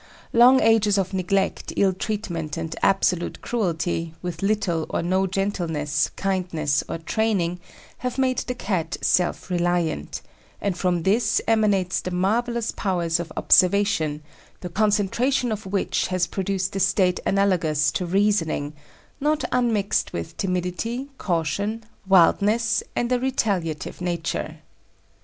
Long ages of neglect, ill treatment, and absolute cruelty, with little or no gentleness, kindness, or training, have made the Cat self reliant; and from this emanates the marvellous powers of observation, the concentration of which has produced a state analogous to reasoning, not unmixed with timidity, caution, wildness, and a retaliative nature.